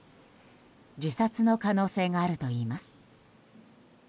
自殺の可能性があるといいます。